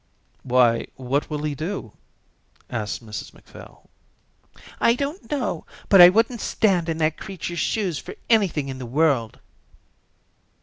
"Why, what will he do?" asked Mrs Macphail. "I don't know, but I wouldn't stand in that creature's shoes for anything in the world."